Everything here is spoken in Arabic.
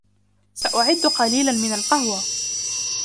سأعد قليلًا من القهوة